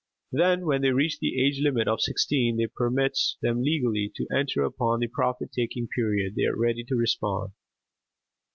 Then when they reach the age limit of sixteen that permits them legally to enter upon the profit taking period, they are ready to respond.